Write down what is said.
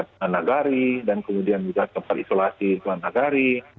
tanah gari dan kemudian juga tempat isolasi di tanah gari